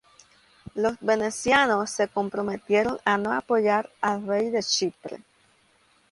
Los venecianos se comprometieron a no apoyar al rey de Chipre.